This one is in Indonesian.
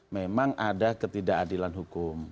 memang ada ketidakadilan hukum